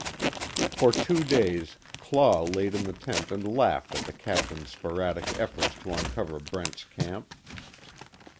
For two days Claw laid in the tent and laughed at the Captain's sporadic efforts to uncover Brent's camp.